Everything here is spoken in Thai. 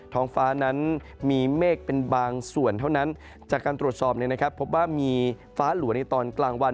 ท้องฟ้านั้นมีเมฆเป็นบางส่วนเท่านั้นจากการตรวจสอบพบว่ามีฟ้าหลัวในตอนกลางวัน